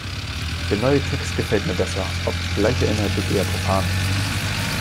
Der neue Text gefällt mir besser, obgleich er inhaltlich eher profan ist.